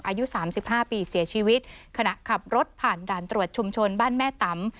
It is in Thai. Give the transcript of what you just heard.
อายุสามสิบห้าปีเสียชีวิตขณะขับรถผ่านด่านตรวจชุมชนบ้านแม่ตำ